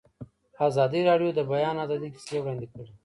ازادي راډیو د د بیان آزادي کیسې وړاندې کړي.